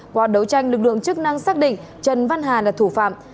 qua đấu tranh lực lượng chức năng xác định trần văn hà là thủ phạm